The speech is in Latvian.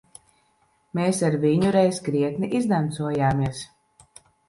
Mēs ar viņu reiz krietni izdancojāmies.